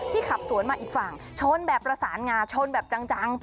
ขับสวนมาอีกฝั่งชนแบบประสานงาชนแบบจัง